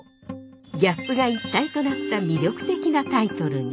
ギャップが一体となった魅力的なタイトルに。